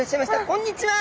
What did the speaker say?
こんにちは。